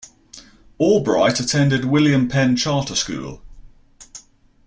Albright attended William Penn Charter School.